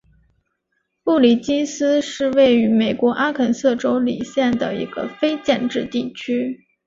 布里基斯是位于美国阿肯色州李县的一个非建制地区。